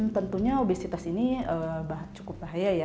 tentunya obesitas ini cukup bahaya ya